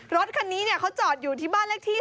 รถคันนี้เขาจอดอยู่ที่บ้านเลขที่๓